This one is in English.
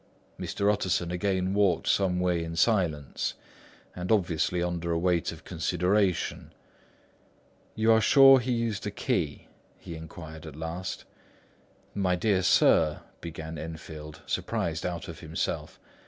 Mr. Utterson again walked some way in silence and obviously under a weight of consideration. "You are sure he used a key?" he inquired at last. "My dear sir..." began Enfield, surprised out of himself.